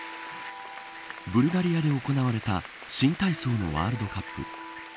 ブルガリアで行われた新体操のワールドカップ。